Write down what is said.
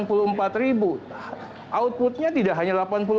outputnya tidak hanya delapan puluh